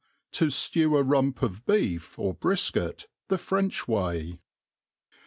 To'JUw a Rump of Beefy or Brifcuit^ the French way.